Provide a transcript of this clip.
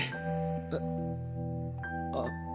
えっあっ。